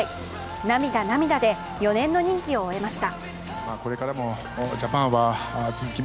涙、涙で４年の任期を終えました。